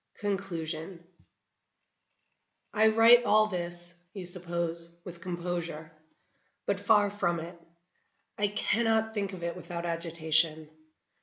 Conclusion I write all this you suppose with composure. But far from it; I cannot think of it without agitation.